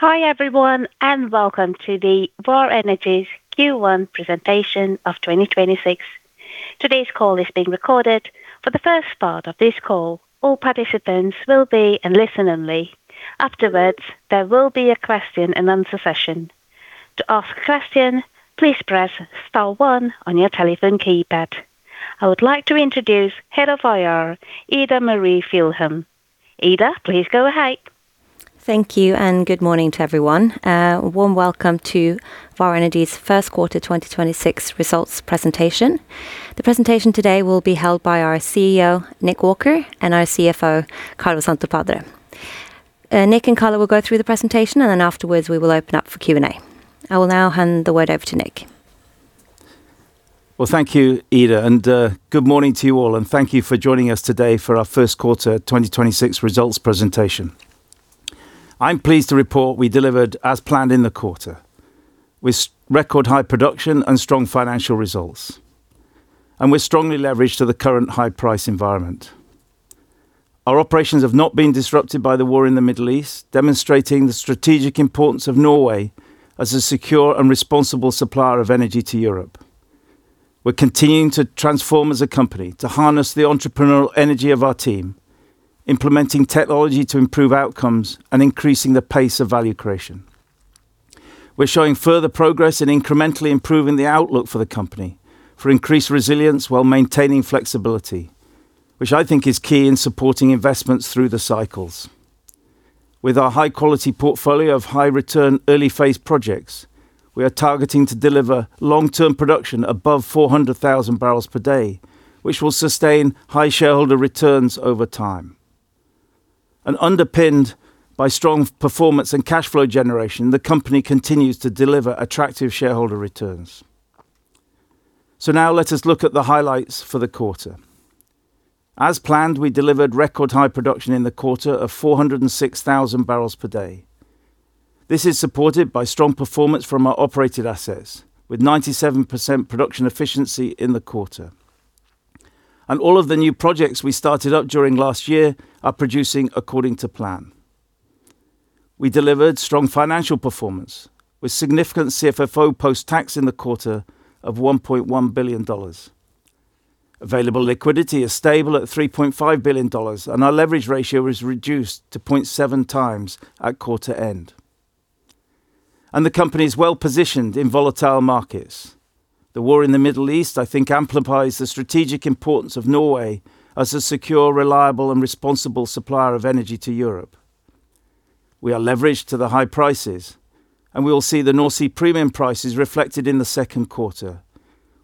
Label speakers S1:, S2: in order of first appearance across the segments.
S1: Hi everyone, and welcome to Vår Energi's Q1 presentation of 2026. Today's call is being recorded. For the first part of this call, all participants will be in listen only. Afterwards, there will be a question and answer session. To ask a question, please press star one on your telephone keypad. I would like to introduce Head of IR, Ida Marie Fjellheim. Ida, please go ahead.
S2: Thank you, and good morning to everyone. A warm welcome to Vår Energi's first quarter 2026 results presentation. The presentation today will be held by our CEO, Nick Walker, and our CFO, Carlo Santopadre. Nick and Carlo will go through the presentation, and then afterwards we will open up for Q&A. I will now hand the word over to Nick.
S3: Well, thank you, Ida, and good morning to you all, and thank you for joining us today for our first quarter 2026 results presentation. I'm pleased to report we delivered as planned in the quarter with record high production and strong financial results. We're strongly leveraged to the current high-price environment. Our operations have not been disrupted by the war in the Middle East, demonstrating the strategic importance of Norway as a secure and responsible supplier of energy to Europe. We're continuing to transform as a company to harness the entrepreneurial energy of our team, implementing technology to improve outcomes and increasing the pace of value creation. We're showing further progress in incrementally improving the outlook for the company for increased resilience while maintaining flexibility, which I think is key in supporting investments through the cycles. With our high-quality portfolio of high-return, early-phase projects, we are targeting to deliver long-term production above 400,000 bpd, which will sustain high shareholder returns over time. Underpinned by strong performance and cash flow generation, the company continues to deliver attractive shareholder returns. Now let us look at the highlights for the quarter. As planned, we delivered record high production in the quarter of 406,000 bpd. This is supported by strong performance from our operated assets with 97% production efficiency in the quarter. All of the new projects we started up during last year are producing according to plan. We delivered strong financial performance with significant CFFO post-tax in the quarter of $1.1 billion. Available liquidity is stable at $3.5 billion, and our leverage ratio is reduced to 0.7x at quarter end. The company is well positioned in volatile markets. The war in the Middle East, I think, amplifies the strategic importance of Norway as a secure, reliable and responsible supplier of energy to Europe. We are leveraged to the high prices, and we will see the North Sea premium prices reflected in the second quarter.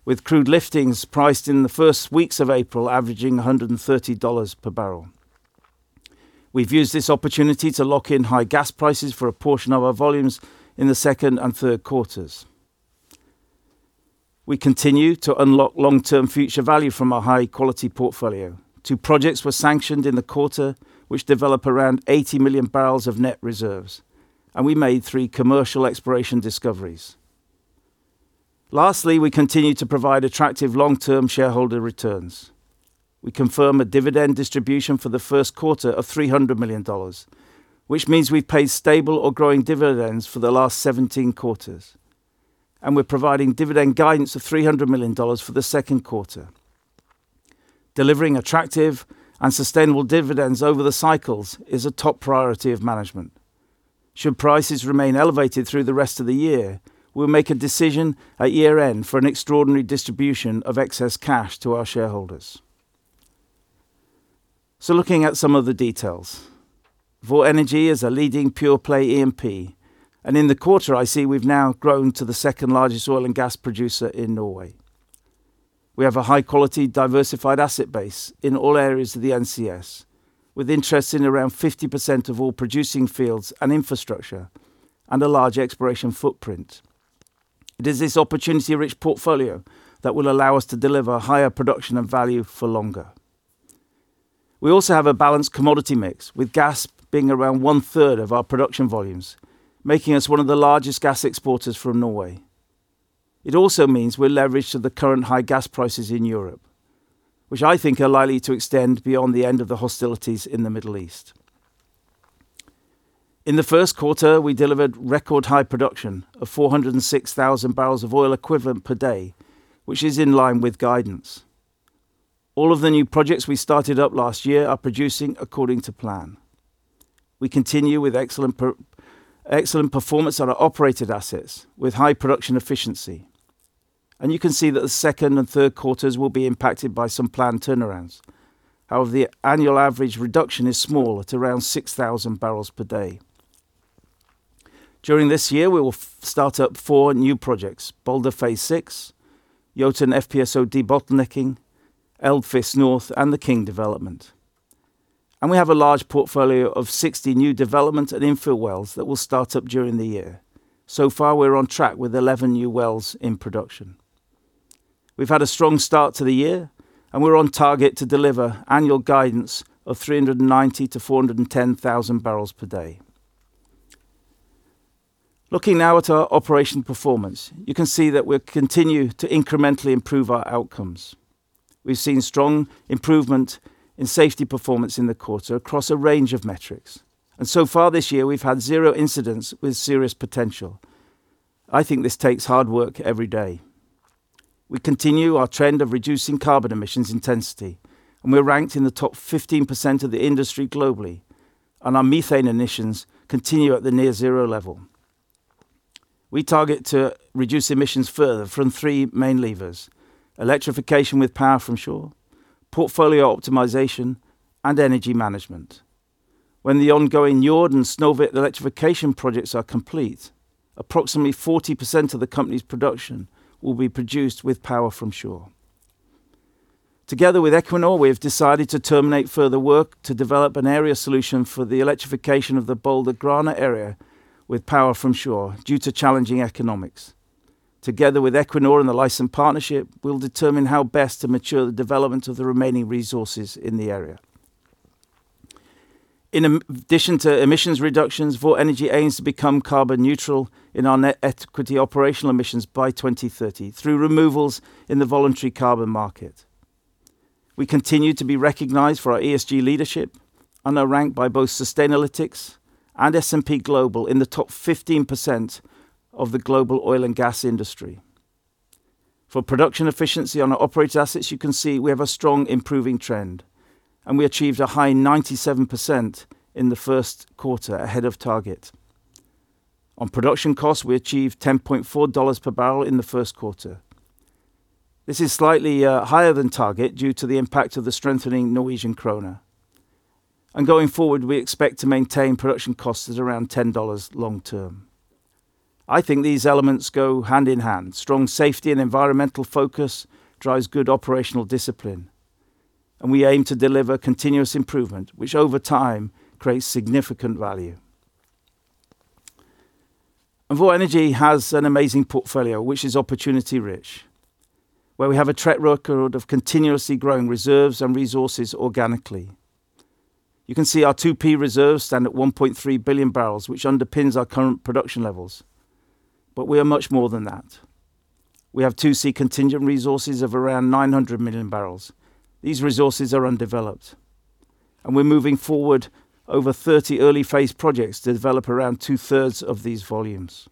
S3: With crude liftings priced in the first weeks of April, averaging $130 per barrel. We've used this opportunity to lock in high gas prices for a portion of our volumes in the second and third quarters. We continue to unlock long-term future value from our high-quality portfolio. Two projects were sanctioned in the quarter, which develop around 80 million bbls of net reserves, and we made three commercial exploration discoveries. Lastly, we continue to provide attractive long-term shareholder returns. We confirm a dividend distribution for the first quarter of $300 million, which means we've paid stable or growing dividends for the last 17 quarters, and we're providing dividend guidance of $300 million for the second quarter. Delivering attractive and sustainable dividends over the cycles is a top priority of management. Should prices remain elevated through the rest of the year, we'll make a decision at year-end for an extraordinary distribution of excess cash to our shareholders. Looking at some of the details. Vår Energi is a leading pure-play E&P, and in the quarter I see we've now grown to the second-largest oil and gas producer in Norway. We have a high-quality, diversified asset base in all areas of the NCS, with interests in around 50% of all producing fields and infrastructure and a large exploration footprint. It is this opportunity-rich portfolio that will allow us to deliver higher production and value for longer. We also have a balanced commodity mix, with gas being around 1/3 of our production volumes, making us one of the largest gas exporters from Norway. It also means we're leveraged to the current high gas prices in Europe, which I think are likely to extend beyond the end of the hostilities in the Middle East. In the first quarter, we delivered record high production of 406,000 bbls of oil equivalent per day, which is in line with guidance. All of the new projects we started up last year are producing according to plan. We continue with excellent performance on our operated assets with high production efficiency. You can see that the second and third quarters will be impacted by some planned turnarounds. However, the annual average reduction is small at around 6,000 bbls per day. During this year, we will start up 4 new projects Balder Phase VI, Jotun FPSO debottlenecking, Eldfisk North, and the King development. We have a large portfolio of 60 new development and infill wells that will start up during the year. So far, we're on track with 11 new wells in production. We've had a strong start to the year and we're on target to deliver annual guidance of 390,000-410,000 bbls per day. Looking now at our operational performance. You can see that we continue to incrementally improve our outcomes. We've seen strong improvement in safety performance in the quarter across a range of metrics. So far this year, we've had zero incidents with serious potential. I think this takes hard work every day. We continue our trend of reducing carbon emissions intensity, and we're ranked in the top 15% of the industry globally. Our methane emissions continue at the near zero level. We target to reduce emissions further from three main levers, electrification with power from shore, portfolio optimization, and energy management. When the ongoing Njord and Snøhvit electrification projects are complete, approximately 40% of the company's production will be produced with power from shore. Together with Equinor, we have decided to terminate further work to develop an area solution for the electrification of the Balder/Grane area with power from shore due to challenging economics. Together with Equinor and the licensed partnership, we'll determine how best to mature the development of the remaining resources in the area. In addition to emissions reductions, Vår Energi aims to become carbon neutral in our net equity operational emissions by 2030 through removals in the voluntary carbon market. We continue to be recognized for our ESG leadership and are ranked by both Sustainalytics and S&P Global in the top 15% of the global oil and gas industry. For production efficiency on our operator assets, you can see we have a strong improving trend, and we achieved a high 97% in the first quarter ahead of target. On production cost, we achieved $10.4 per barrel in the first quarter. This is slightly higher than target due to the impact of the strengthening Norwegian kroner. Going forward, we expect to maintain production costs at around $10 long-term. I think these elements go hand in hand. Strong safety and environmental focus drives good operational discipline, and we aim to deliver continuous improvement, which over time creates significant value. Vår Energi has an amazing portfolio, which is opportunity-rich, where we have a track record of continuously growing reserves and resources organically. You can see our 2P reserves stand at 1 billion bbls, which underpins our current production levels. We are much more than that. We have 2C contingent resources of around 900 million bbls. These resources are undeveloped, and we're moving forward over 30 early phase projects to develop around two-thirds of these volumes.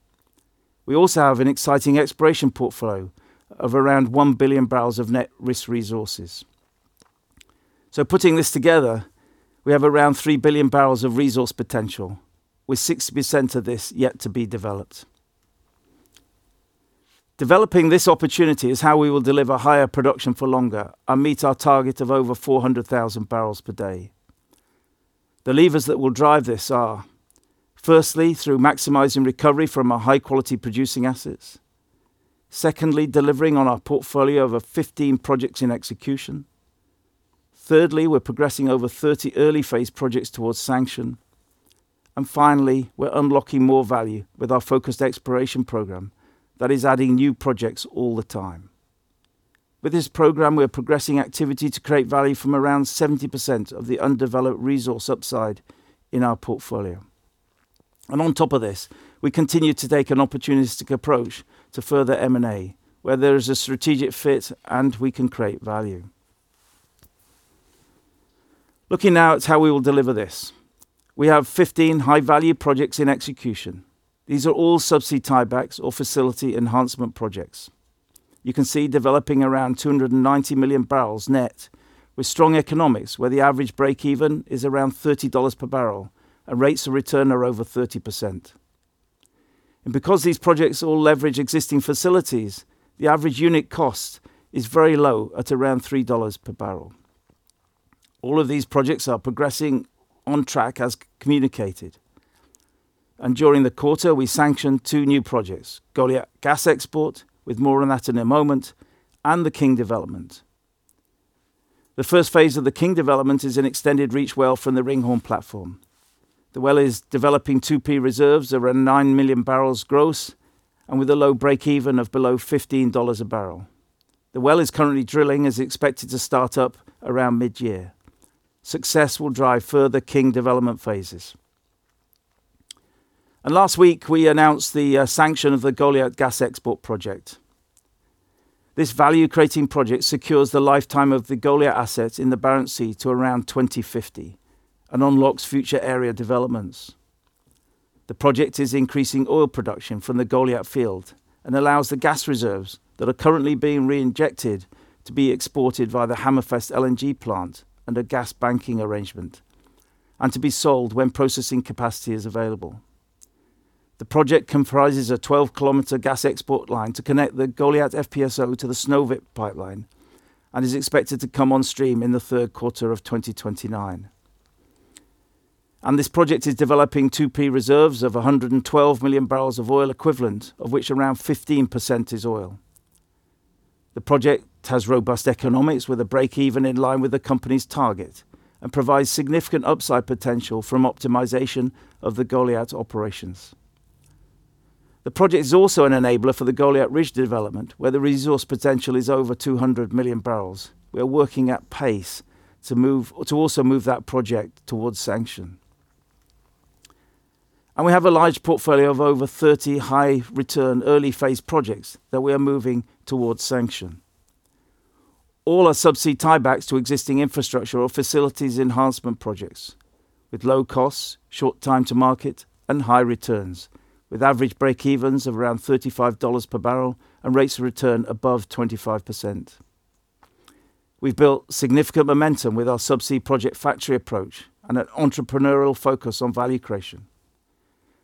S3: We also have an exciting exploration portfolio of around 1 billion bbls of net risk resources. Putting this together, we have around 3 billion bbls of resource potential, with 60% of this yet to be developed. Developing this opportunity is how we will deliver higher production for longer and meet our target of over 400,000 bpd. The levers that will drive this are, firstly, through maximizing recovery from our high-quality producing assets. Secondly, delivering on our portfolio of over 15 projects in execution. Thirdly, we're progressing over 30 early phase projects towards sanction. Finally, we're unlocking more value with our focused exploration program that is adding new projects all the time. With this program, we are progressing activity to create value from around 70% of the undeveloped resource upside in our portfolio. On top of this, we continue to take an opportunistic approach to further M&A, where there is a strategic fit, and we can create value. Looking now at how we will deliver this. We have 15 high-value projects in execution. These are all subsea tiebacks or facility enhancement projects. You can see developing around 290 million bbls net with strong economics, where the average breakeven is around $30 per barrel and rates of return are over 30%. Because these projects all leverage existing facilities, the average unit cost is very low at around $3 per barrel. All of these projects are progressing on track as communicated. During the quarter, we sanctioned 2 new projects, Goliat Gas Export, with more on that in a moment, and the King development. The first phase of the King development is an extended reach well from the Ringhorne platform. The well is developing 2P reserves around 9 million bbls gross and with a low breakeven of below $15 a barrel. The well is currently drilling and is expected to start up around mid-year. Success will drive further King development phases. Last week, we announced the sanction of the Goliat Gas Export project. This value-creating project secures the lifetime of the Goliat assets in the Barents Sea to around 2050 and unlocks future area developments. The project is increasing oil production from the Goliat field and allows the gas reserves that are currently being reinjected to be exported via the Hammerfest LNG plant and a gas banking arrangement, and to be sold when processing capacity is available. The project comprises a 12 km gas export line to connect the Goliat FPSO to the Snøhvit pipeline and is expected to come on stream in the third quarter of 2029. This project is developing 2P reserves of 112 million bbls of oil equivalent, of which around 15% is oil. The project has robust economics with a break even in line with the company's target and provides significant upside potential from optimization of the Goliat operations. The project is also an enabler for the Goliat Ridge development, where the resource potential is over 200 million bbls. We are working at pace to also move that project towards sanction. We have a large portfolio of over 30 high return early phase projects that we are moving towards sanction. All are subsea tiebacks to existing infrastructure or facilities enhancement projects with low costs, short time to market and high returns, with average breakevens of around $35 per barrel and rates of return above 25%. We've built significant momentum with our subsea project factory approach and an entrepreneurial focus on value creation.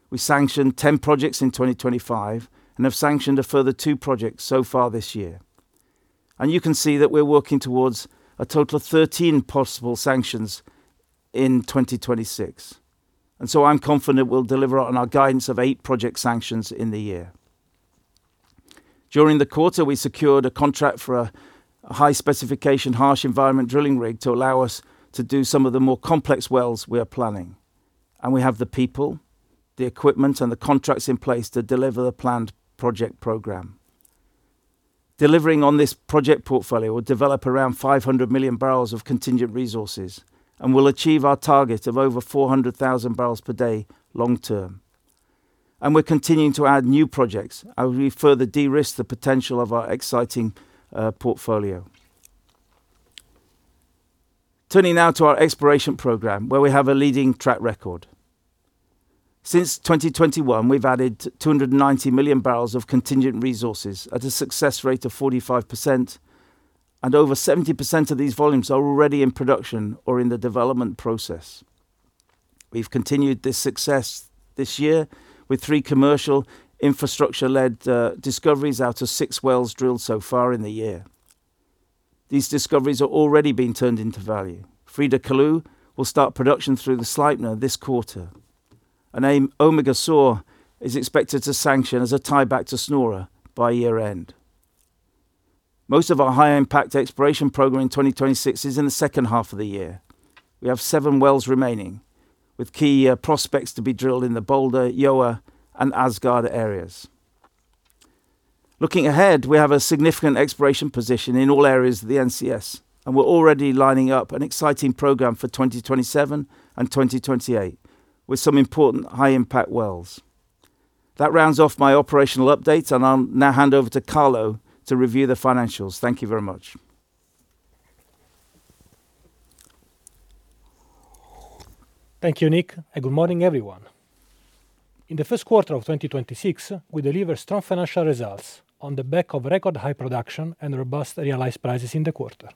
S3: We sanctioned 10 projects in 2025 and have sanctioned a further 2 projects so far this year. You can see that we're working towards a total of 13 possible sanctions in 2026. I'm confident we'll deliver on our guidance of 8 project sanctions in the year. During the quarter, we secured a contract for a high specification, harsh environment drilling rig to allow us to do some of the more complex wells we are planning. We have the people, the equipment, and the contracts in place to deliver the planned project program. Delivering on this project portfolio will develop around 500 million bbls of contingent resources and will achieve our target of over 400,000 bbls per day long-term. We're continuing to add new projects as we further de-risk the potential of our exciting portfolio. Turning now to our exploration program where we have a leading track record. Since 2021, we've added 290 million bbls of contingent resources at a success rate of 45%, and over 70% of these volumes are already in production or in the development process. We've continued this success this year with three commercial infrastructure-led discoveries out of six wells drilled so far in the year. These discoveries are already being turned into value. Frida Kahlo will start production through the Sleipner this quarter. Omega South is expected to sanction as a tieback to Snorre by year-end. Most of our high-impact exploration program in 2026 is in the second half of the year. We have seven wells remaining, with key prospects to be drilled in the Balder, Yawa, and Åsgard areas. Looking ahead, we have a significant exploration position in all areas of the NCS, and we're already lining up an exciting program for 2027 and 2028, with some important high-impact wells. That rounds off my operational update, and I'll now hand over to Carlo to review the financials. Thank you very much.
S4: Thank you, Nick, and good morning, everyone. In the first quarter of 2026, we delivered strong financial results on the back of record high production and robust realized prices in the quarter.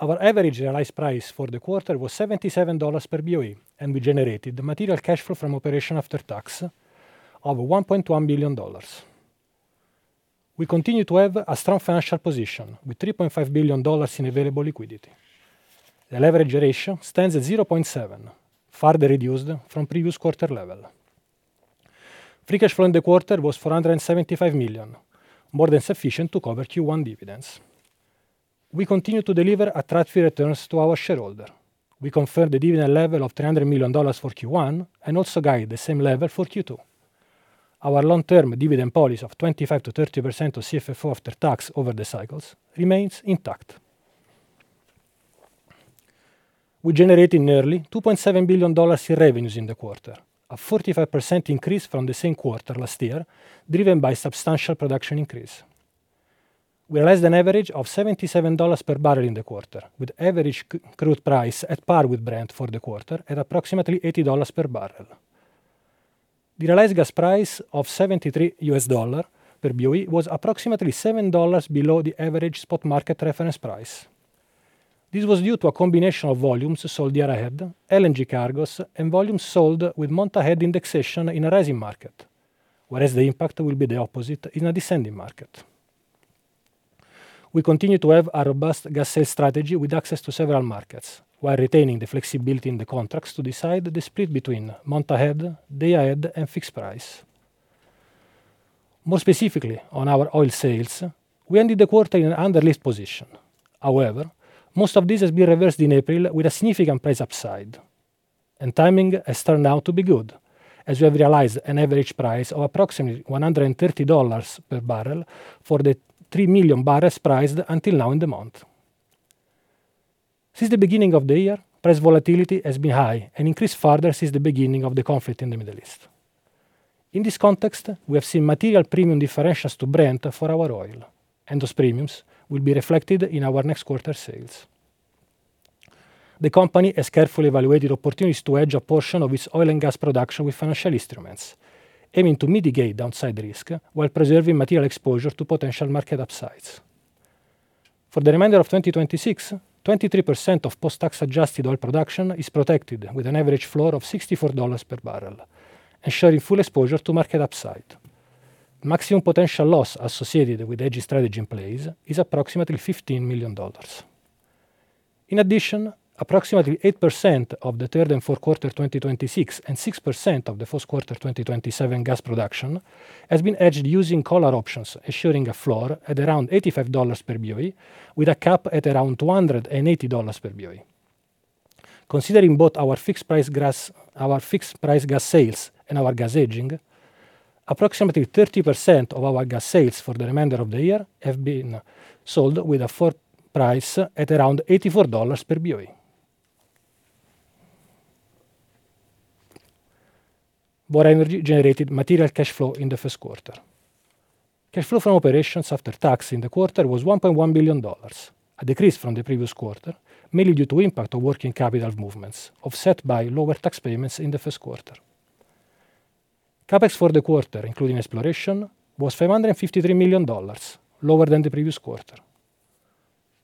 S4: Our average realized price for the quarter was $77 per BOE, and we generated the material cash flow from operation after tax of $1.1 billion. We continue to have a strong financial position with $3.5 billion in available liquidity. The leverage ratio stands at 0.7x, further reduced from previous quarter level. Free cash flow in the quarter was $475 million, more than sufficient to cover Q1 dividends. We continue to deliver attractive returns to our shareholder. We confirmed the dividend level of $300 million for Q1 and also guide the same level for Q2. Our long-term dividend policy of 25%-30% of CFFO after tax over the cycles remains intact. We generated nearly $2.7 billion in revenues in the quarter, a 45% increase from the same quarter last year, driven by substantial production increase. We realized an average of $77 per barrel in the quarter, with average crude price at par with Brent for the quarter at approximately $80 per barrel. The realized gas price of $73 per BOE was approximately $7 below the average spot market reference price. This was due to a combination of volumes sold year ahead, LNG cargos, and volumes sold with month ahead indexation in a rising market, whereas the impact will be the opposite in a descending market. We continue to have a robust gas sales strategy with access to several markets, while retaining the flexibility in the contracts to decide the split between month ahead, day ahead, and fixed price. More specifically on our oil sales, we ended the quarter in an underlift position. However, most of this has been reversed in April with a significant price upside, and timing has turned out to be good as we have realized an average price of approximately $130 per barrel for the 3 million bbls priced until now in the month. Since the beginning of the year, price volatility has been high and increased further since the beginning of the conflict in the Middle East. In this context, we have seen material premium differentials to Brent for our oil, and those premiums will be reflected in our next quarter sales. The company has carefully evaluated opportunities to hedge a portion of its oil and gas production with financial instruments, aiming to mitigate downside risk while preserving material exposure to potential market upsides. For the remainder of 2026, 23% of post-tax adjusted oil production is protected with an average floor of $64 per barrel and sharing full exposure to market upside. Maximum potential loss associated with hedging strategy in place is approximately $15 million. In addition, approximately 8% of the third and fourth quarter 2026 and 6% of the first quarter 2027 gas production has been hedged using collar options, ensuring a floor at around $85 per BOE with a cap at around $280 per BOE. Considering both our fixed price gas sales and our gas hedging. Approximately 30% of our gas sales for the remainder of the year have been sold with a firm price at around $84 per BOE. Vår Energi generated material cash flow in the first quarter. Cash flow from operations after tax in the quarter was $1.1 billion, a decrease from the previous quarter, mainly due to impact of working capital movements offset by lower tax payments in the first quarter. CapEx for the quarter, including exploration, was $553 million, lower than the previous quarter.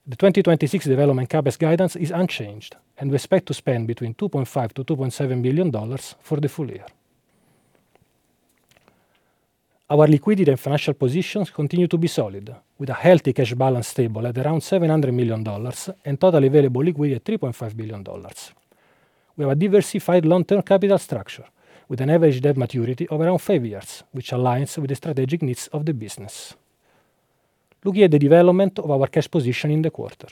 S4: The 2026 development CapEx guidance is unchanged, and we expect to spend between $2.5 billion-$2.7 billion for the full year. Our liquidity and financial positions continue to be solid, with a healthy cash balance stable at around $700 million and total available liquidity at $3.5 billion. We have a diversified long-term capital structure with an average debt maturity of around five years, which aligns with the strategic needs of the business. Looking at the development of our cash position in the quarter.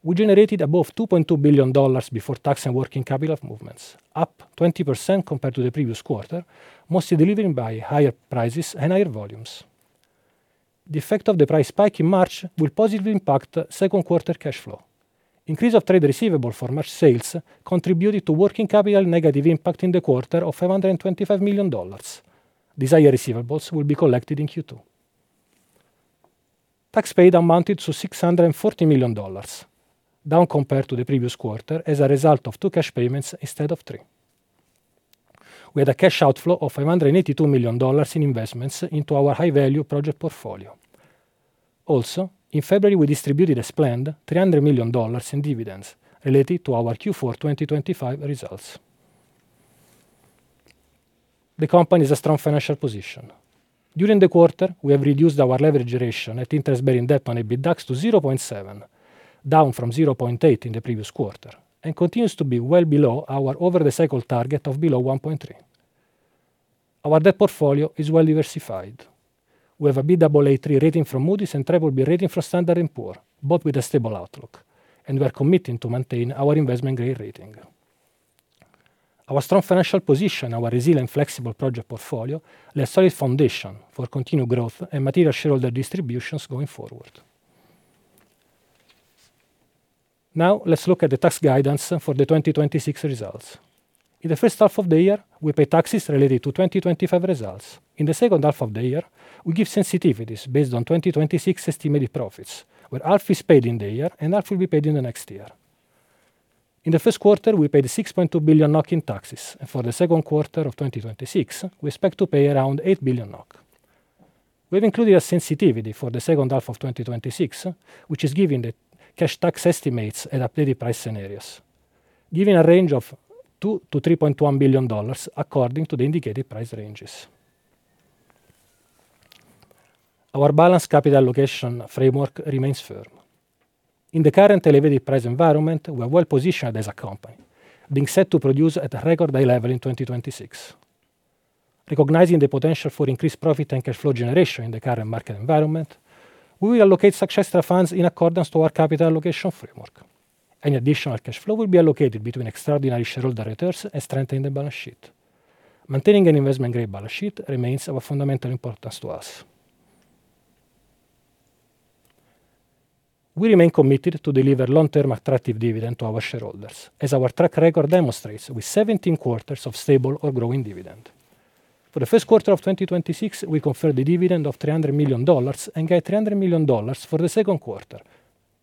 S4: We generated above $2.2 billion before tax and working capital movements, up 20% compared to the previous quarter, mostly delivered by higher prices and higher volumes. The effect of the price spike in March will positively impact second quarter cash flow. The increase in trade receivables for March sales contributed to a negative impact on working capital in the quarter of $525 million. These higher receivables will be collected in Q2. Tax paid amounted to $640 million, down compared to the previous quarter as a result of two cash payments instead of three. We had a cash outflow of $582 million in investments into our high-value project portfolio. Also, in February, we distributed as planned, $300 million in dividends related to our Q4 2025 results. The company is in a strong financial position. During the quarter, we have reduced our leverage ratio at interest-bearing debt on EBITDAX to 0.7x, down from 0.8x in the previous quarter, and continues to be well below our over the cycle target of below 1.3x. Our debt portfolio is well diversified. We have a Baa3 rating from Moody's and BBB rating from Standard & Poor's, both with a stable outlook, and we are committing to maintain our investment-grade rating. Our strong financial position, our resilient, flexible project portfolio lay a solid foundation for continued growth and material shareholder distributions going forward. Now, let's look at the tax guidance for the 2026 results. In the first half of the year, we pay taxes related to 2025 results. In the second half of the year, we give sensitivities based on 2026 estimated profits, where half is paid in the year, and half will be paid in the next year. In the first quarter, we paid 6.2 billion NOK in taxes, and for the second quarter of 2026, we expect to pay around 8 billion NOK. We've included a sensitivity for the second half of 2026, which is giving the cash tax estimates at updated price scenarios, giving a range of NOK 2 billion-NOK 3.1 billion according to the indicated price ranges. Our balanced capital allocation framework remains firm. In the current elevated price environment, we are well-positioned as a company, being set to produce at a record high level in 2026. Recognizing the potential for increased profit and cash flow generation in the current market environment, we will allocate such extra funds in accordance to our capital allocation framework. Any additional cash flow will be allocated between extraordinary shareholder returns and strengthening the balance sheet. Maintaining an investment-grade balance sheet remains of a fundamental importance to us. We remain committed to deliver long-term attractive dividend to our shareholders, as our track record demonstrates with 17 quarters of stable or growing dividend. For the first quarter of 2026, we confirmed the dividend of $300 million and guide $300 million for the second quarter,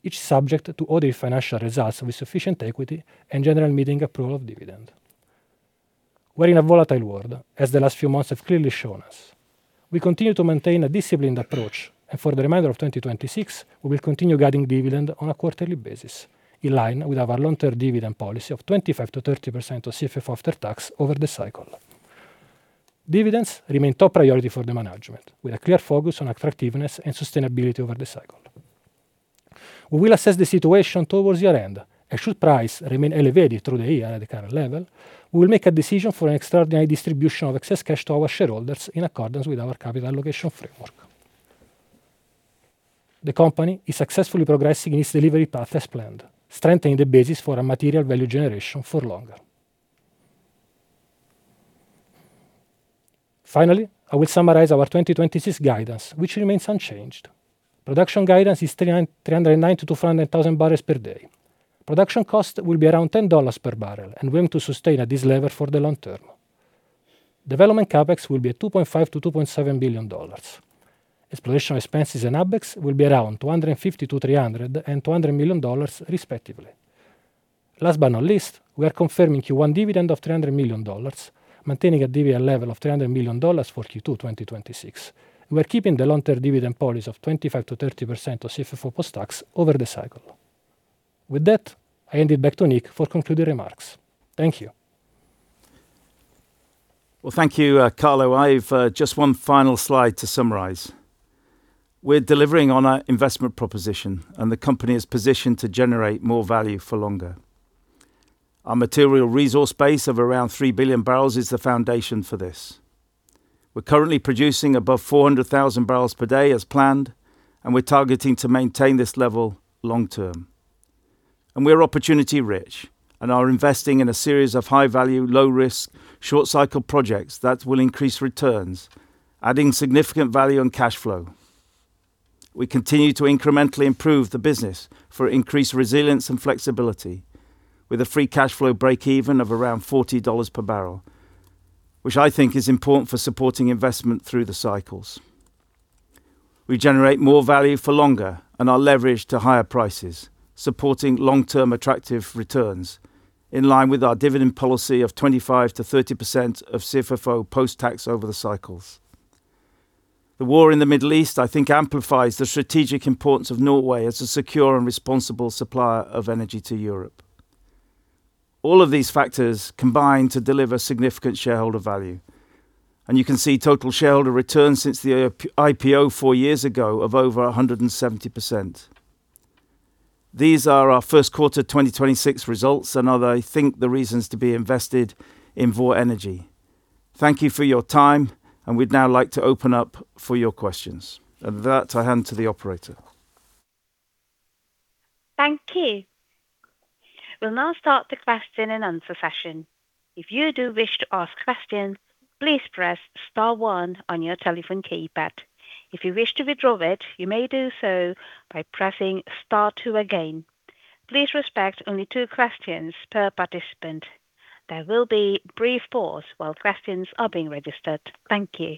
S4: each subject to audit financial results with sufficient equity and general meeting approval of dividend. We're in a volatile world, as the last few months have clearly shown us. We continue to maintain a disciplined approach, and for the remainder of 2026, we will continue guiding dividend on a quarterly basis, in line with our long-term dividend policy of 25%-30% of CFFO after tax over the cycle. Dividends remain top priority for the management, with a clear focus on attractiveness and sustainability over the cycle. We will assess the situation towards year-end, and should price remain elevated through the year at the current level, we will make a decision for an extraordinary distribution of excess cash to our shareholders in accordance with our capital allocation framework. The company is successfully progressing in its delivery path as planned, strengthening the basis for a material value generation for longer. Finally, I will summarize our 2026 guidance, which remains unchanged. Production guidance is 309,000-400,000 bbls per day. Production cost will be around $10 per barrel and going to sustain at this level for the long term. Development CapEx will be at $2.5 billion-$2.7 billion. Exploration expenses and AbEx will be around $250 million-$300 million and $200 million respectively. Last but not least, we are confirming Q1 dividend of $300 million, maintaining a dividend level of $300 million for Q2 2026. We are keeping the long-term dividend policy of 25%-30% of CFFO post-tax over the cycle. With that, I hand it back to Nick for concluding remarks. Thank you.
S3: Well, thank you, Carlo. I've just one final slide to summarize. We're delivering on our investment proposition, and the company is positioned to generate more value for longer. Our material resource base of around 3 billion bbls is the foundation for this. We're currently producing above 400,000 bbls per day as planned, and we're targeting to maintain this level long-term. We are opportunity rich and are investing in a series of high-value, low risk, short cycle projects that will increase returns, adding significant value and cash flow. We continue to incrementally improve the business for increased resilience and flexibility with a free cash flow breakeven of around $40 per barrel, which I think is important for supporting investment through the cycles. We generate more value for longer and are leveraged to higher prices, supporting long-term attractive returns in line with our dividend policy of 25%-30% of CFFO post-tax over the cycles. The war in the Middle East, I think, amplifies the strategic importance of Norway as a secure and responsible supplier of energy to Europe. All of these factors combine to deliver significant shareholder value, and you can see total shareholder returns since the IPO four years ago of over 170%. These are our first quarter 2026 results, and are, I think, the reasons to be invested in Vår Energi. Thank you for your time, and we'd now like to open up for your questions. With that, I hand to the operator.
S1: Thank you. We'll now start the question and answer session. If you do wish to ask questions, please press star one on your telephone keypad. If you wish to withdraw it, you may do so by pressing star two again. Please respect only two questions per participant. There will be a brief pause while questions are being registered. Thank you.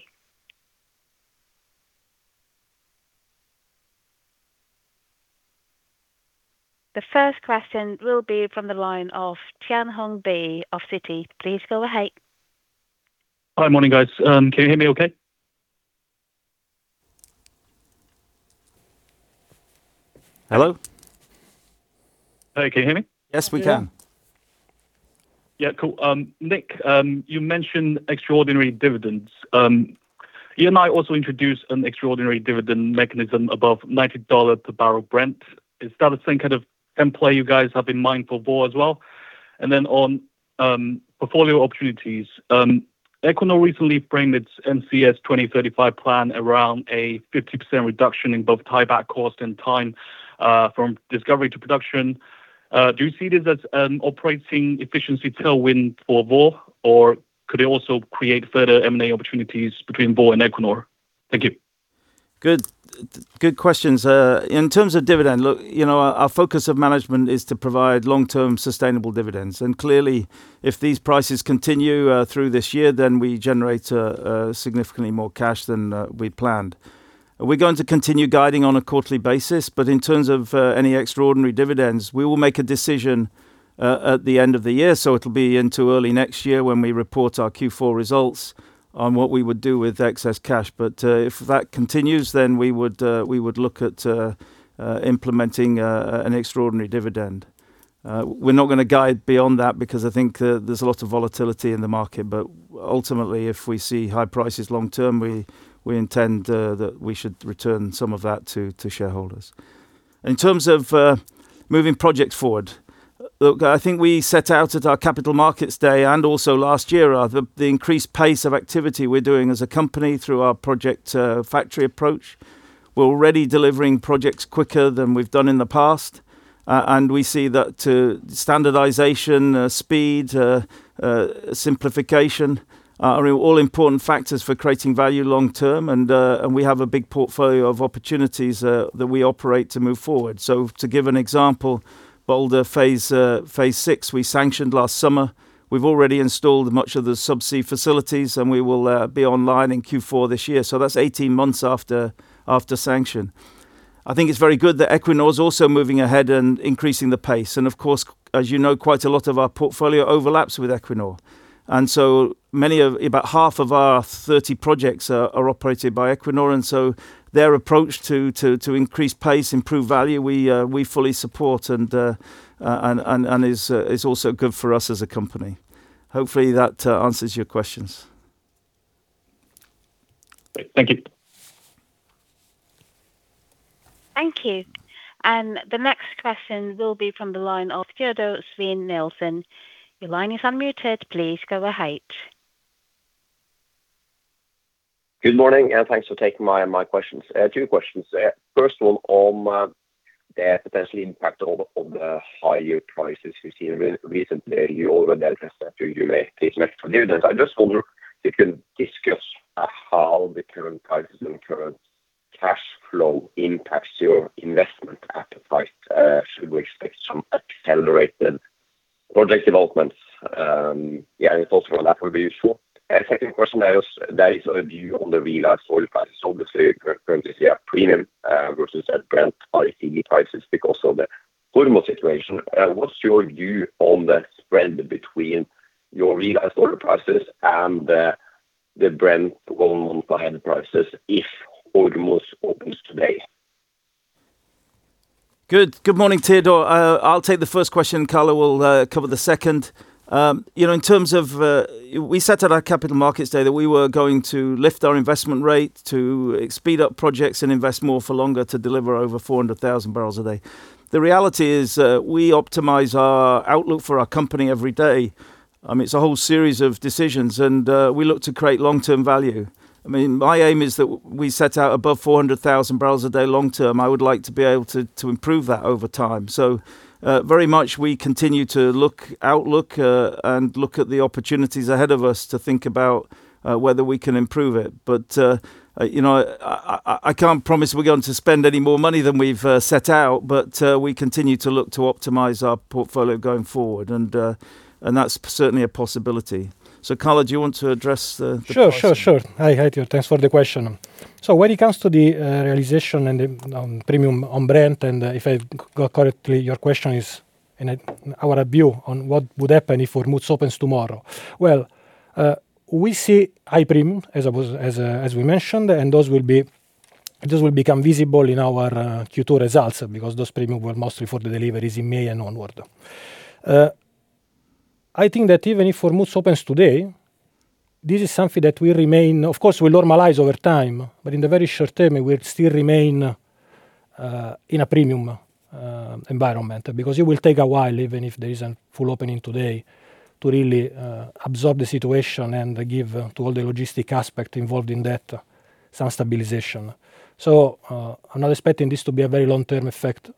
S1: The first question will be from the line of Tianhong Bi of Citi. Please go ahead.
S5: Hi. Morning, guys. Can you hear me okay?
S3: Hello?
S5: Hey, can you hear me?
S3: Yes, we can.
S5: Yeah, cool. Nick, you mentioned extraordinary dividends. Eni also introduced an extraordinary dividend mechanism above $90 per barrel Brent. Is that the same kind of template you guys have in mind for Vår as well? On portfolio opportunities. Equinor recently framed its NCS 2035 plan around a 50% reduction in both tieback cost and time from discovery to production. Do you see this as an operating efficiency tailwind for Vår, or could it also create further M&A opportunities between Vår and Equinor? Thank you.
S3: Good questions. In terms of dividend, look, our focus of management is to provide long-term sustainable dividends. Clearly, if these prices continue through this year, then we generate significantly more cash than we'd planned. We're going to continue guiding on a quarterly basis, but in terms of any extraordinary dividends, we will make a decision at the end of the year. It'll be into early next year when we report our Q4 results on what we would do with excess cash. If that continues, then we would look at implementing an extraordinary dividend. We're not going to guide beyond that because I think there's a lot of volatility in the market. Ultimately, if we see high prices long-term, we intend that we should return some of that to shareholders. In terms of moving projects forward, look, I think we set out at our Capital Markets Day and also last year, the increased pace of activity we're doing as a company through our project factory approach. We're already delivering projects quicker than we've done in the past. We see that standardization, speed, simplification are all important factors for creating value long-term. We have a big portfolio of opportunities that we operate to move forward. To give an example, Balder Phase VI we sanctioned last summer. We've already installed much of the subsea facilities, and we will be online in Q4 this year. That's 18 months after sanction. I think it's very good that Equinor's also moving ahead and increasing the pace. Of course, as you know, quite a lot of our portfolio overlaps with Equinor. About half of our 30 projects are operated by Equinor, and so their approach to increase pace, improve value, we fully support, and is also good for us as a company. Hopefully, that answers your questions.
S5: Great. Thank you.
S1: Thank you. The next question will be from the line of Teodor Sveen-Nilsen. Your line is unmuted. Please go ahead.
S6: Good morning, and thanks for taking my questions. Two questions. First of all, on the potential impact of the higher prices we've seen recently. You already addressed that you may take extra dividends. I just wonder if you can discuss how the current prices and current cash flow impacts your investment appetite. Should we expect some accelerated project developments? Yeah, if possible, that would be useful. Second question, that is on the view on the realized oil prices. Obviously, we currently see a premium, versus Brent prices because of the Hormuz situation. What's your view on the spread between your realized oil prices and the Brent one month ahead prices if Hormuz opens today?
S3: Good morning, Teodor. I'll take the first question, Carlo will cover the second. In terms of, we set at our Capital Markets Day that we were going to lift our investment rate to speed up projects and invest more for longer to deliver 400,000 bpd. the reality is, we optimize our outlook for our company every day. It's a whole series of decisions, and we look to create long-term value. My aim is that we set out 400,000 bpd long-term. I would like to be able to improve that over time. Very much we continue to look at our outlook and look at the opportunities ahead of us to think about whether we can improve it. I can't promise we're going to spend any more money than we've set out, but we continue to look to optimize our portfolio going forward, and that's certainly a possibility. Carlo, do you want to address the question?
S4: Sure. Hi, Teodor. Thanks for the question. When it comes to the realization and the premium on Brent, and if I've got correctly, your question is in our view on what would happen if Hormuz opens tomorrow. Well, we see high premium as we mentioned, and those will become visible in our Q2 results because those premium were mostly for the deliveries in May and onward. I think that even if Hormuz opens today, this is something that will remain. Of course, we normalize over time, but in the very short term, it will still remain in a premium environment, because it will take a while, even if there is a full opening today to really absorb the situation and given all the logistical aspects involved in that, some stabilization. I'm not expecting this to be a very long-term effect,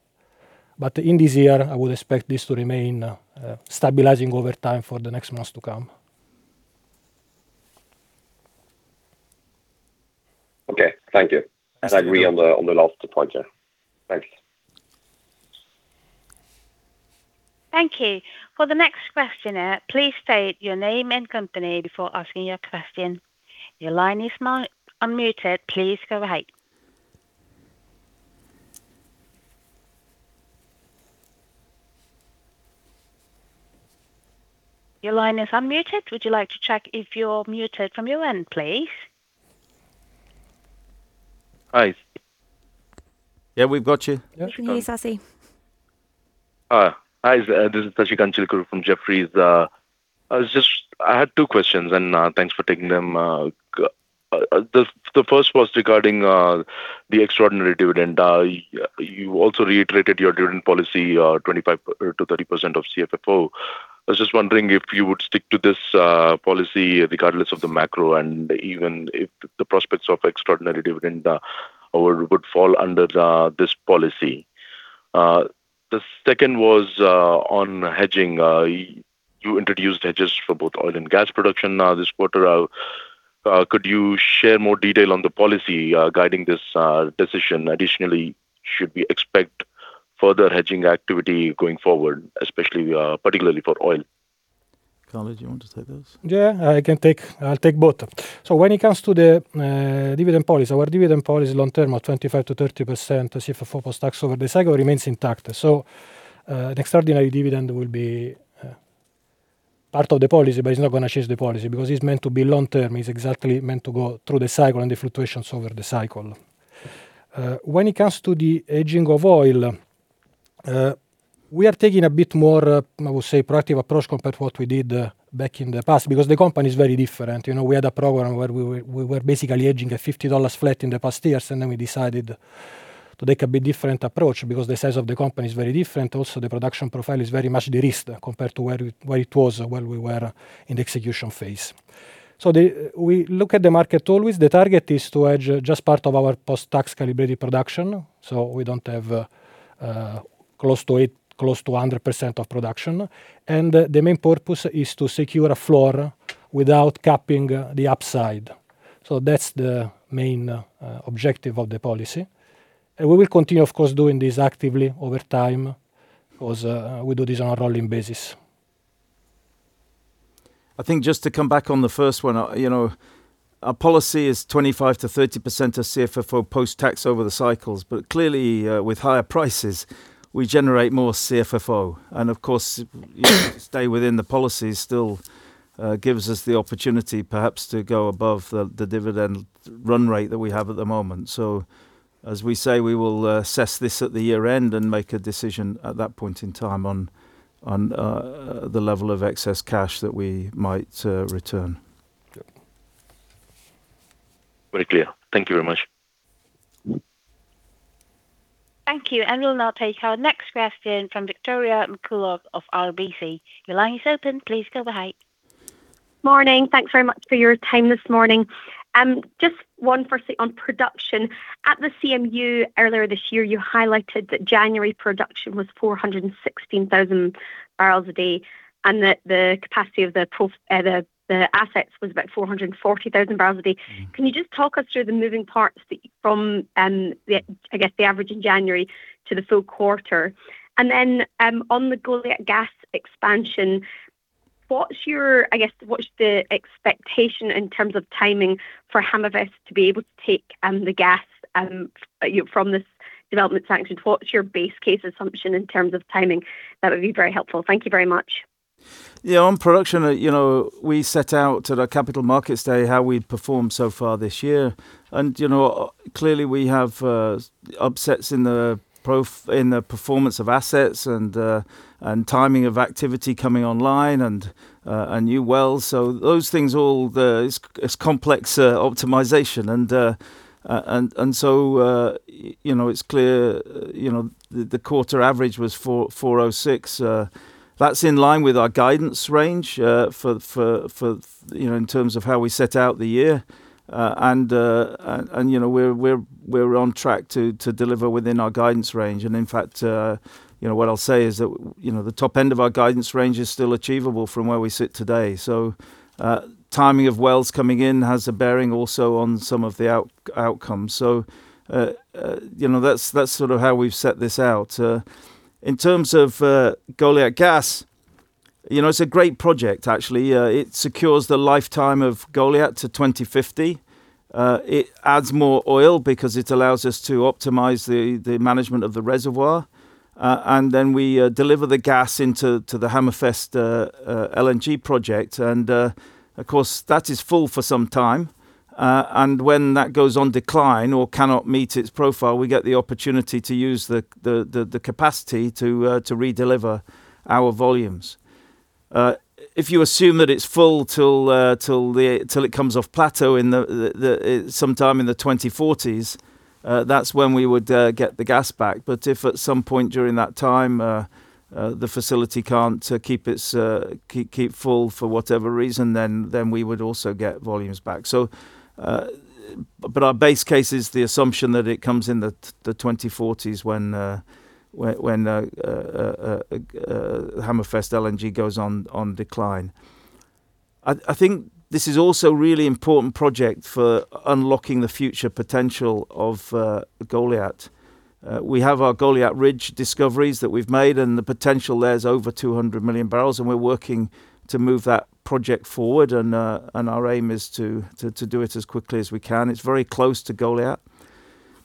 S4: but in this year, I would expect this to remain stabilizing over time for the next months to come.
S6: Okay. Thank you. I agree on the last point there. Thanks.
S1: Thank you. For the next questioner, please state your name and company before asking your question. Your line is unmuted. Please go ahead. Your line is unmuted. Would you like to check if you're muted from your end, please?
S7: Hi.
S3: Yeah, we've got you.
S1: Can you, Sasi?
S7: Hi. This is Sasikanth Chilukuru from Jefferies. I had two questions, and thanks for taking them. The first was regarding the extraordinary dividend. You also reiterated your dividend policy, 25%-30% of CFFO. I was just wondering if you would stick to this policy regardless of the macro and even if the prospects of extraordinary dividend would fall under this policy. The second was on hedging. You introduced hedges for both oil and gas production this quarter. Could you share more detail on the policy guiding this decision? Additionally, should we expect further hedging activity going forward, especially, particularly for oil?
S3: Carlo, do you want to take this?
S4: Yeah, I can take both. When it comes to the dividend policy, our dividend policy long-term of 25%-30% to CFFO post-tax over the cycle remains intact. The extraordinary dividend will be part of the policy, but it's not going to change the policy, because it's meant to be long-term. It's exactly meant to go through the cycle and the fluctuations over the cycle. When it comes to the hedging of oil, we are taking a bit more, I would say, proactive approach compared to what we did back in the past, because the company is very different. We had a program where we were basically hedging at $50 flat in the past years, and then we decided to take a bit different approach because the size of the company is very different. Also, the production profile is very much de-risked compared to where it was when we were in the execution phase. We look at the market always. The target is to hedge just part of our post-tax calibrated production. We don't have close to 100% of production. The main purpose is to secure a floor without capping the upside. That's the main objective of the policy. We will continue, of course, doing this actively over time, because we do this on a rolling basis.
S3: I think just to come back on the first one. Our policy is 25%-30% of CFFO post-tax over the cycles. Clearly, with higher prices, we generate more CFFO. Of course, to stay within the policy still gives us the opportunity perhaps to go above the dividend run rate that we have at the moment. As we say, we will assess this at the year-end and make a decision at that point in time on the level of excess cash that we might return.
S7: Very clear. Thank you very much.
S1: Thank you. We'll now take our next question from Victoria McCulloch of RBC. Your line is open. Please go ahead.
S8: Morning. Thanks very much for your time this morning. Just one firstly on production. At the CMU earlier this year, you highlighted that January production 416,000 bpd, and that the capacity of the assets was about 440,000 bpd.
S3: Mm-hmm.
S8: Can you just talk us through the moving parts from, I guess the average in January to the full quarter? On the Goliat gas expansion, what's the expectation in terms of timing for Hammerfest to be able to take the gas from this development sanction? What's your base case assumption in terms of timing? That would be very helpful. Thank you very much.
S3: Yeah, on production, we set out at our Capital Markets Day how we'd perform so far this year. Clearly we have upsets in the performance of assets and timing of activity coming online and new wells. Those things all, it's complex optimization. It's clear, the quarter average was 406. That's in line with our guidance range in terms of how we set out the year. We're on track to deliver within our guidance range. In fact, what I'll say is that the top end of our guidance range is still achievable from where we sit today. Timing of wells coming in has a bearing also on some of the outcomes. That's sort of how we've set this out. In terms of Goliat gas, it's a great project, actually. It secures the lifetime of Goliat to 2050. It adds more oil because it allows us to optimize the management of the reservoir. Then we deliver the gas into the Hammerfest LNG project. Of course, that is full for some time. When that goes on decline or cannot meet its profile, we get the opportunity to use the capacity to redeliver our volumes. If you assume that it's full till it comes off plateau sometime in the 2040s, that's when we would get the gas back. If at some point during that time, the facility can't keep full for whatever reason, then we would also get volumes back. Our base case is the assumption that it comes in the 2040s when Hammerfest LNG goes on decline. I think this is also really important project for unlocking the future potential of Goliat. We have our Goliat Ridge discoveries that we've made, and the potential there is over 200 million bbls, and we're working to move that project forward. Our aim is to do it as quickly as we can. It's very close to Goliat.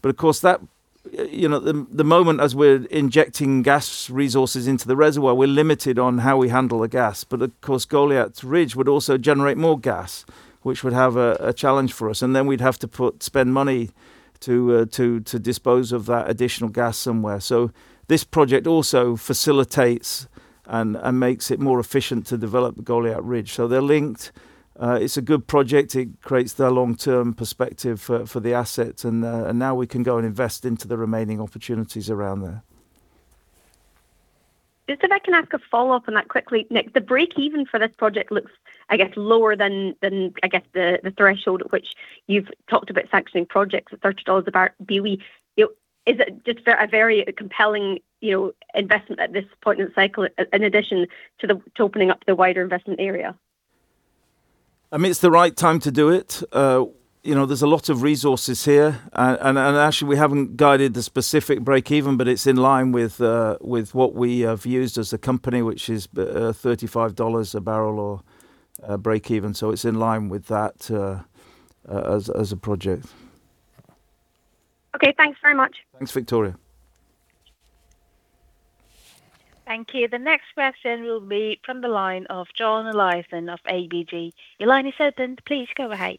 S3: Of course, the moment as we're injecting gas resources into the reservoir, we're limited on how we handle the gas. Of course, Goliat Ridge would also generate more gas, which would have a challenge for us. Then we'd have to spend money to dispose of that additional gas somewhere. This project also facilitates and makes it more efficient to develop the Goliat Ridge. They're linked. It's a good project. It creates the long-term perspective for the asset, and now we can go and invest into the remaining opportunities around there.
S8: Just if I can ask a follow-up on that quickly, Nick. The break-even for this project looks, I guess, lower than, I guess, the threshold at which you've talked about sanctioning projects at $30 a barrel BOE. Is it just a very compelling investment at this point in the cycle, in addition to opening up the wider investment area?
S3: I mean, it's the right time to do it. There's a lot of resources here. Actually, we haven't guided the specific break-even, but it's in line with what we have used as a company, which is $35 a barrel or break-even. It's in line with that as a project.
S8: Okay, thanks very much.
S3: Thanks, Victoria.
S1: Thank you. The next question will be from the line of John Olaisen of ABG. Your line is open. Please go ahead.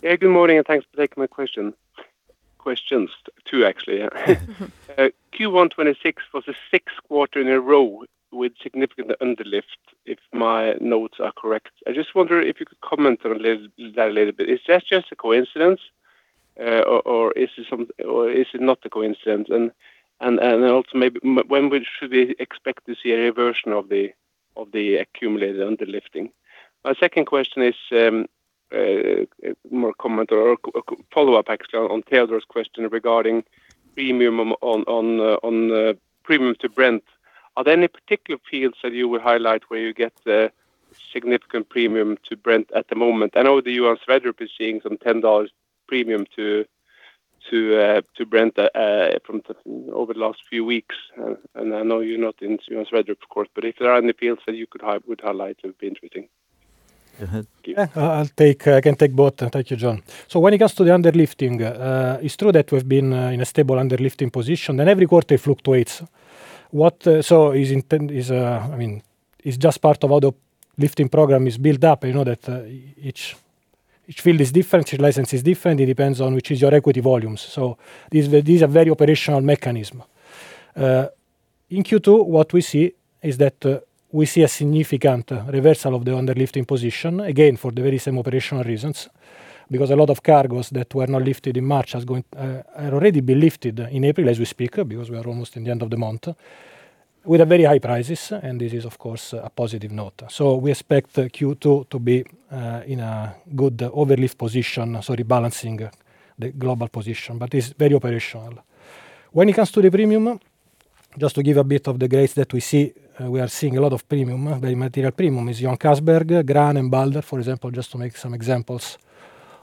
S9: Yeah, good morning, and thanks for taking my question. Questions. Two actually. Q1 2026 was the sixth quarter in a row with significant underlift, if my notes are correct. I just wonder if you could comment on that a little bit. Is that just a coincidence, or is it not a coincidence? And then also maybe when should we expect to see a reversion of the accumulated underlifting? My second question is more comment or a follow-up actually on Teodor's question regarding premium to Brent. Are there any particular fields that you would highlight where you get a significant premium to Brent at the moment? I know the Johan Sverdrup is seeing some $10 premium to Brent over the last few weeks. And I know you're not in Johan Sverdrup of course, but if there are any fields that you could highlight, it would be interesting.
S4: I can take both. Thank you, John. When it comes to the underlifting, it's true that we've been in a stable underlifting position, and every quarter fluctuates. I mean, it's just part of how the lifting program is built up. You know that each field is different, each license is different. It depends on which is your equity volumes. These are very operational mechanism. In Q2, what we see is that we see a significant reversal of the underlifting position, again, for the very same operational reasons. Because a lot of cargos that were not lifted in March had already been lifted in April as we speak, because we are almost in the end of the month, with very high prices, and this is of course a positive note. We expect Q2 to be in a good overlift position. Rebalancing the global position. It's very operational. When it comes to the premium, just to give a bit of the grades that we are seeing a lot of premium, very material premium, is Johan Castberg, Grane and Balder, for example, just to make some examples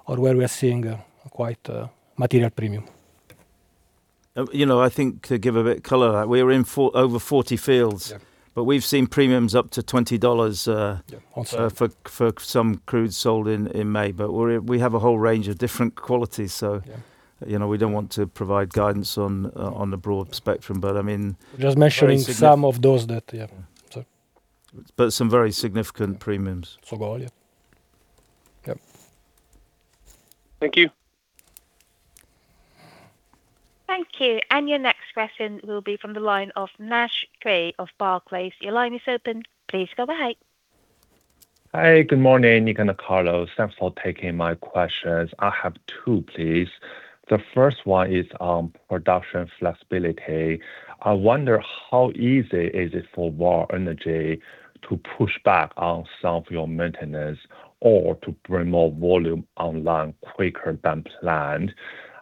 S4: on where we are seeing quite a material premium.
S3: I think to give a bit color, we are in over 40 fields.
S4: Yeah.
S3: We've seen premiums up to $20 for some crude sold in May. We have a whole range of different qualities so
S4: Yeah
S3: We don't want to provide guidance on the broad spectrum, but I mean.
S4: Just mentioning some of those that, yeah.
S3: Some very significant premiums.
S4: For oil, yeah.
S3: Okay.
S9: Thank you.
S1: Thank you. Your next question will be from the line of Naisheng Cui of Barclays. Your line is open. Please go ahead.
S10: Hi, good morning, Nick and Carlo. Thanks for taking my questions. I have two, please. The first one is on production flexibility. I wonder how easy is it for Vår Energi to push back on some of your maintenance or to bring more volume online quicker than planned?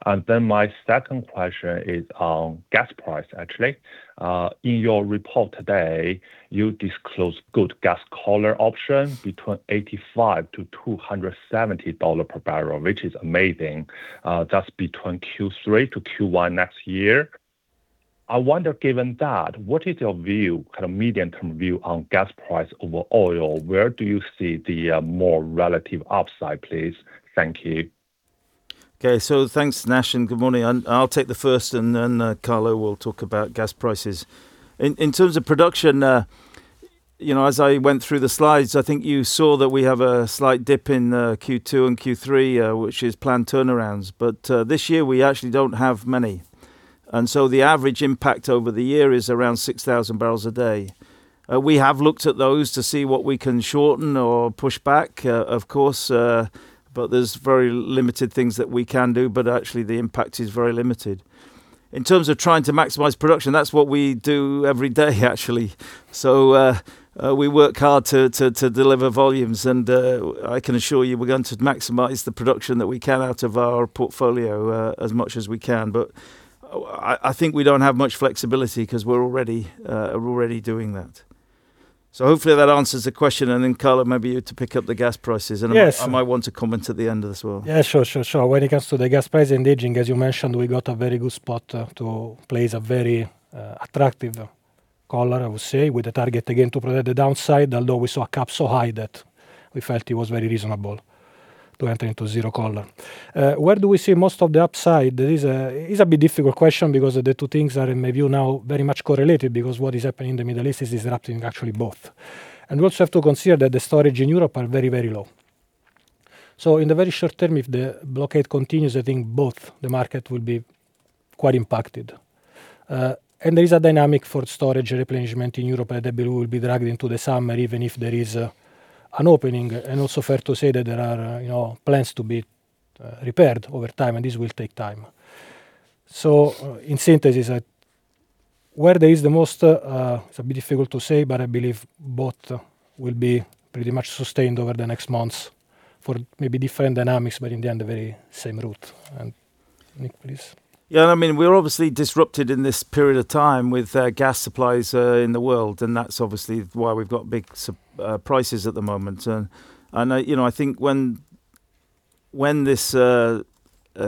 S10: My second question is on gas price, actually. In your report today, you disclosed good gas collar options between $85-$270 per barrel, which is amazing. That's between Q3 to Q1 next year. I wonder, given that, what is your view, kind of medium-term view, on gas price over oil? Where do you see the more relative upside, please? Thank you.
S3: Okay. Thanks, Nash, and good morning. I'll take the first, and then Carlo will talk about gas prices. In terms of production, as I went through the slides, I think you saw that we have a slight dip in Q2 and Q3, which is planned turnarounds. This year, we actually don't have many. The average impact over the year is 6,000 bpd. we have looked at those to see what we can shorten or push back, of course, but there's very limited things that we can do, but actually the impact is very limited. In terms of trying to maximize production, that's what we do every day, actually. We work hard to deliver volumes. I can assure you we're going to maximize the production that we can out of our portfolio as much as we can. I think we don't have much flexibility because we're already doing that. Hopefully that answers the question. Carlo, maybe you to pick up the gas prices.
S4: Yes.
S3: I might want to comment at the end as well.
S4: Yeah, sure. When it comes to the gas price hedging, as you mentioned, we got a very good spot to place a very attractive collar, I would say, with the target again to prevent the downside, although we saw a cap so high that we felt it was very reasonable to enter into zero-cost collar. Where do we see most of the upside? It is a bit of a difficult question because the two things are, in my view now, very much correlated because what is happening in the Middle East is disrupting actually both. We also have to consider that the storage in Europe are very, very low. In the very short term, if the blockade continues, I think both markets will be quite impacted. There is a dynamic for storage replenishment in Europe that will be dragged into the summer, even if there is an opening. Also fair to say that there are plans to be repaired over time, and this will take time. In synthesis, where there is the most, it's a bit difficult to say, but I believe both will be pretty much sustained over the next months for maybe different dynamics, but in the end, the very same route. Nick, please.
S3: Yeah, we're obviously disrupted in this period of time with gas supplies in the world, and that's obviously why we've got big prices at the moment. I think when this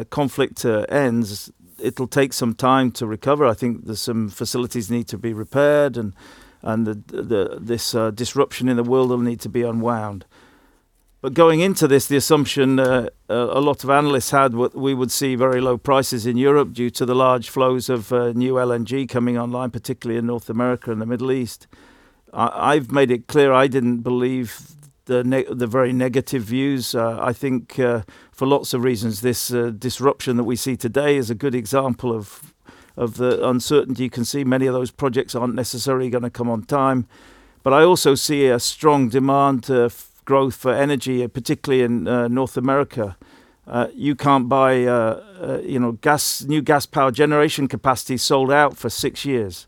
S3: conflict ends, it'll take some time to recover. I think there's some facilities need to be repaired, and this disruption in the world will need to be unwound. Going into this, the assumption a lot of analysts had, we would see very low prices in Europe due to the large flows of new LNG coming online, particularly in North America and the Middle East. I've made it clear I didn't believe the very negative views. I think, for lots of reasons, this disruption that we see today is a good example of the uncertainty. You can see many of those projects aren't necessarily going to come on time. I also see a strong demand of growth for energy, particularly in North America. You can't buy gas. New gas power generation capacity is sold out for six years.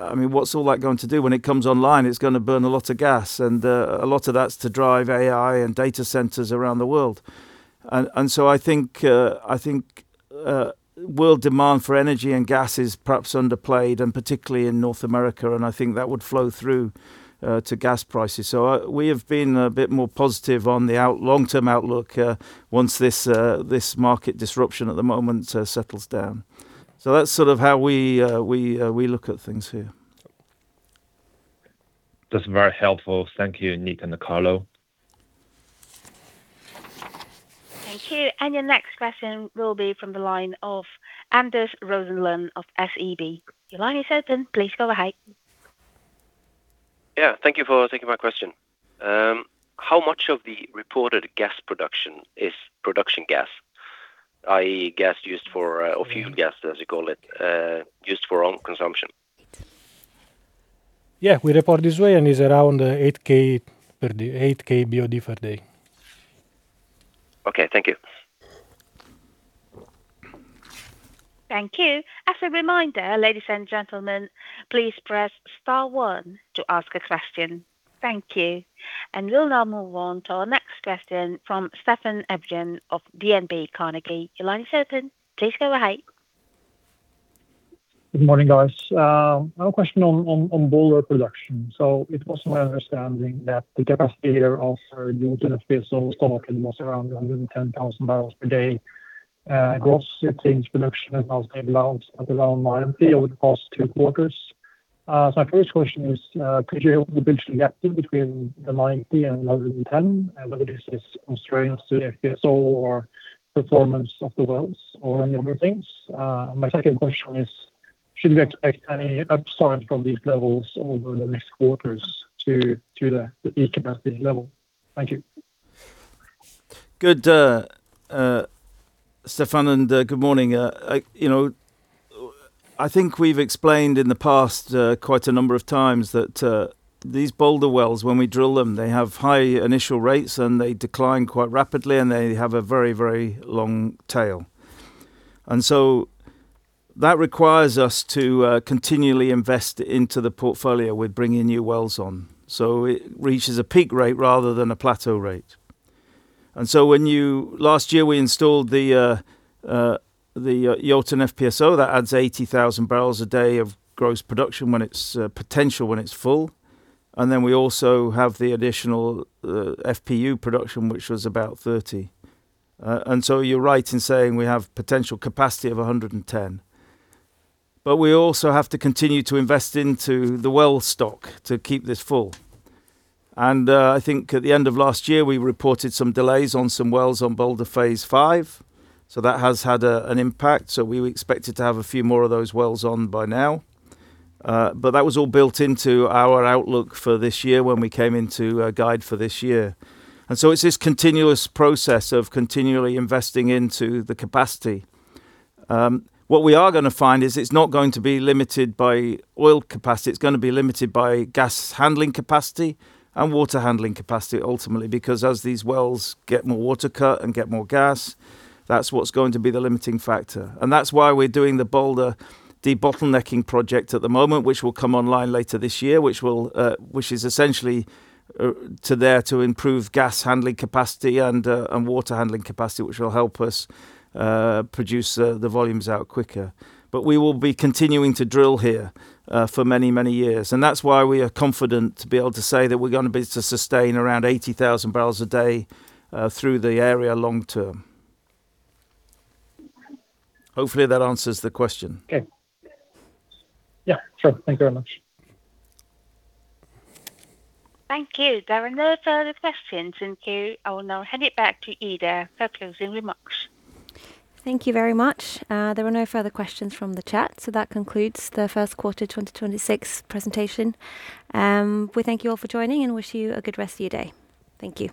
S3: What's all that going to do? When it comes online, it's going to burn a lot of gas. A lot of that's to drive AI and data centers around the world. I think world demand for energy and gas is perhaps underplayed, and particularly in North America, and I think that would flow through to gas prices. We have been a bit more positive on the long-term outlook once this market disruption at the moment settles down. That's sort of how we look at things here.
S10: That's very helpful. Thank you, Nick and Carlo.
S1: Thank you. Your next question will be from the line of Anders Rosenlund of SEB. Your line is open. Please go ahead.
S11: Yeah, thank you for taking my question. How much of the reported gas production is production gas? i.e., gas used for, or fuel gas, as you call it, used for own consumption?
S4: Yeah. We report this way, and it's around 8,000 BOE per day.
S11: Okay, thank you.
S1: Thank you. As a reminder, ladies and gentlemen, please press star one to ask a question. Thank you. We'll now move on to our next question from Steffen Evjen of DNB Carnegie. Your line is open. Please go ahead.
S12: Good morning, guys. I have a question on Balder production. It was my understanding that the capacity here of your finished diesel stock was around 110,000 bbls per day. Gross, it seems production has now stabilized at around 90,000 over the past two quarters. My first question is, could you explain the gap between the 90 and 110, and whether this is constraints to FPSO or performance of the wells or any other things? My second question is, should we expect any upside from these levels over the next quarters to the peak capacity level? Thank you.
S3: Good, Steffen, and good morning. I think we've explained in the past quite a number of times that these Balder wells, when we drill them, they have high initial rates, and they decline quite rapidly, and they have a very long tail. That requires us to continually invest into the portfolio with bringing new wells on. It reaches a peak rate rather than a plateau rate. Last year, we installed the Jotun FPSO that 80,000 bpd of gross production when it's potential, when it's full. Then we also have the additional FPU production, which was about 30. You're right in saying we have potential capacity of 110. We also have to continue to invest into the well stock to keep this full. I think at the end of last year, we reported some delays on some wells on Balder Phase V. That has had an impact. We expected to have a few more of those wells on by now. That was all built into our outlook for this year when we came into our guide for this year. It's this continuous process of continually investing into the capacity. What we are going to find is it's not going to be limited by oil capacity, it's going to be limited by gas handling capacity and water handling capacity, ultimately. Because as these wells get more water cut and get more gas, that's what's going to be the limiting factor. That's why we're doing the Balder debottlenecking project at the moment, which will come online later this year, which is essentially there to improve gas handling capacity and water handling capacity, which will help us produce the volumes out quicker. We will be continuing to drill here for many, many years. That's why we are confident to be able to say that we're going to be able to sustain 80,000 bpd through the area long term. Hopefully that answers the question.
S12: Okay. Yeah, sure. Thank you very much.
S1: Thank you. There are no further questions in queue. I will now hand it back to Ida for closing remarks.
S2: Thank you very much. There were no further questions from the chat. That concludes the first quarter 2026 presentation. We thank you all for joining and wish you a good rest of your day. Thank you.